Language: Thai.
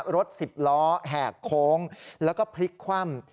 รถ๑๐ล้อแหกโค้งแล้วก็พลิกคว่ำ